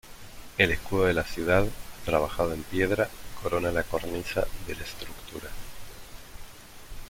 El escudo de la ciudad, trabajado en piedra, corona la cornisa de la estructura.